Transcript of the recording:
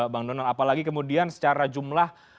bang donald apalagi kemudian secara jumlah